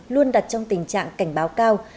luôn đặt trong tình trạng cảnh báo cao